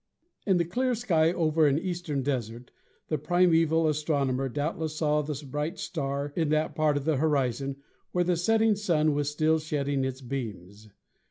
In the clear sky over an eastern desert the primeval astrono mer doubtless saw the bright star in that part of the hori zon where the setting Sun was still shedding its beams.